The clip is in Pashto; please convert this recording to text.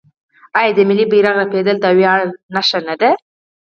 آیا د ملي بیرغ رپیدل د ویاړ نښه نه ده؟